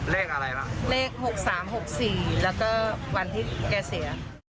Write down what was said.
เลขอะไรบ้างเลข๖๓๖๔แล้วก็วันที่แกเสีย